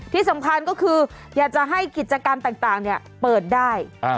ที่สำคัญก็คืออยากจะให้กิจกรรมต่างเปิดได้